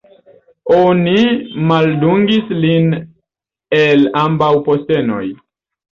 Oni maldungis lin el ambaŭ postenoj.